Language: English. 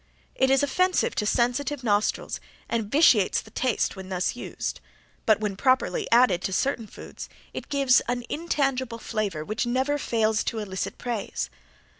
It is offensive to sensitive nostrils and vitiates the taste when thus used, but when properly added to certain foods it gives an intangible flavor which never fails to elicit praise.